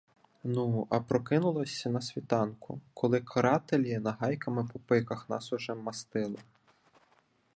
Ну, а прокинулися на світанку, коли карателі нагайками по пиках нас уже мастили.